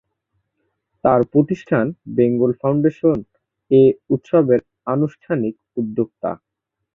তার প্রতিষ্ঠান Bengal Foundation এ উৎসবের আনুষ্ঠানিক উদ্যোক্তা।